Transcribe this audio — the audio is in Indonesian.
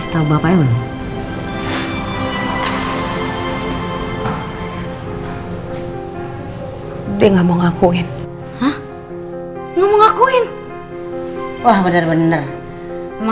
saya jangangio masa depan lo